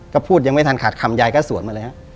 ก็พูดยังไม่ทันขาดคำยายก็สวนมาเลยฮะ